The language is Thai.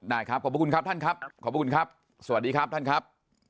ได้ครับขอบคุณครับท่านครับขอบคุณครับสวัสดีครับท่านครับ